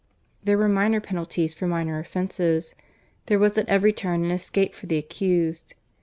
There were minor penalties for minor offences; there was at every turn an escape for the accused.